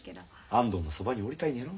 安藤のそばにおりたいねやろ？